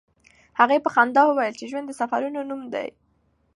هغې په خندا وویل چې ژوند د سفرونو نوم دی.